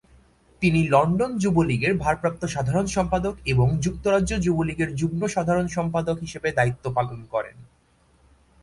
তিনি লন্ডন যুবলীগের ভারপ্রাপ্ত সাধারণ সম্পাদক এবং যুক্তরাজ্য যুবলীগের যুগ্ম সাধারণ সম্পাদক হিসেবে দায়িত্ব পালন করেন।